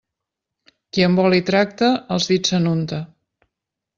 Qui amb oli tracta, els dits se n'unta.